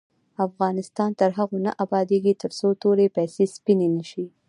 افغانستان تر هغو نه ابادیږي، ترڅو توري پیسې سپینې نشي.